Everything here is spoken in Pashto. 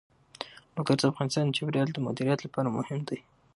لوگر د افغانستان د چاپیریال د مدیریت لپاره مهم دي.